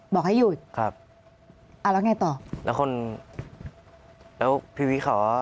บอกให้หยุดครับอ่าแล้วไงต่อแล้วคนแล้วพี่วิขอ